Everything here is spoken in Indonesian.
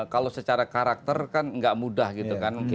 kalau secara karakter kan nggak mudah gitu kan